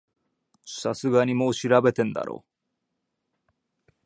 さすがにもう調べてんだろ